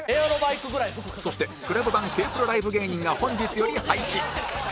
そして ＣＬＵＢ 版 Ｋ−ＰＲＯ ライブ芸人が本日より配信